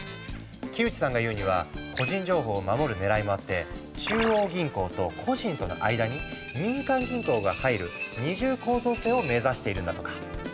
木内さんが言うには個人情報を守る狙いもあって中央銀行と個人との間に民間銀行が入る二重構造性を目指しているんだとか。